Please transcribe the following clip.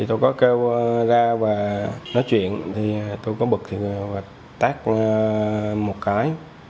tôi có kêu ra và nói chuyện tôi có bực thì tắt một cái